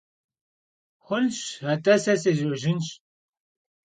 Xhunş at'e, se sêjejjın.